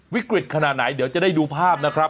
วิกฤตขนาดไหนเดี๋ยวจะได้ดูภาพนะครับ